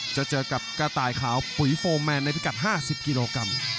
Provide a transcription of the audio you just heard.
จะเจอกับกระต่ายขาวปุ๋ยโฟร์แมนในพิกัด๕๐กิโลกรัม